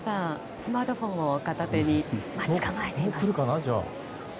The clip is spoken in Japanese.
スマートフォンを片手に待ち構えています。